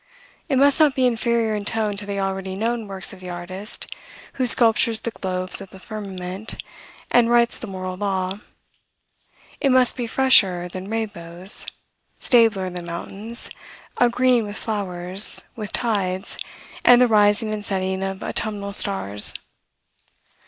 It must not be inferior in tone to the already known works of the artist who sculptures the globes of the firmament, and writes the moral law. It must be fresher than rainbows, stabler than mountains, agreeing with flowers, with tides, and the rising and setting of autumnal stars.